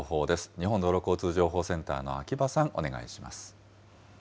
日本道路交通情報センターの秋場さん、お願いします。